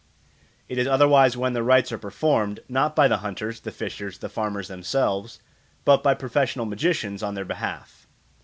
It is otherwise when the rites are performed, not by the hunters, the fishers, the farmers themselves, but by professional magicians on their behalf.